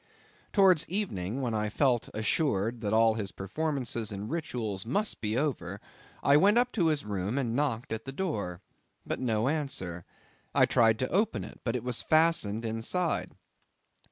Towards evening, when I felt assured that all his performances and rituals must be over, I went up to his room and knocked at the door; but no answer. I tried to open it, but it was fastened inside.